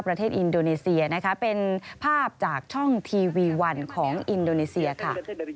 ประเทศอินโดนีเซียนะคะเป็นภาพจากช่องทีวีวันของอินโดนีเซียค่ะ